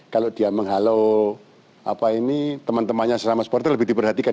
kalau dia menghalau teman temannya serama supporter lebih diperhatikan